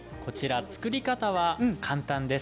作り方は簡単です。